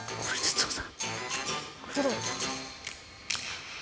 どうだ。